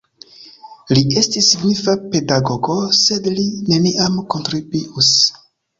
Li estis signifa pedagogo, sed li neniam kontribuis.